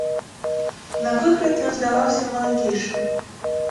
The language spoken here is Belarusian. На выгляд ён здаваўся маладзейшым.